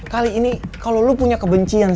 kali ini kalau lo punya kebencian